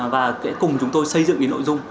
và sẽ cùng chúng tôi xây dựng cái nội dung